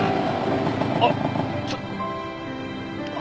あっちょっあれ。